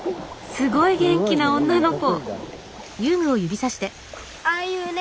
すごい元気な女の子。